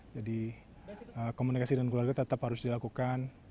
jadi komunikasi dengan keluarga tetap harus dilakukan